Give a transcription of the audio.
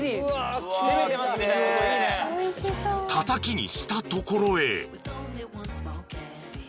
［たたきにしたところへ］